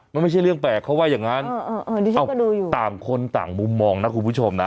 มันไม่ใช่เรื่องแปลกเขาว่าอย่างนั้นต่างคนต่างมุมมองนะคุณผู้ชมนะ